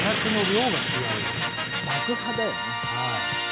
爆破だよね。